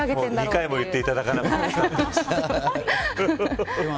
２回も言っていただかなくても。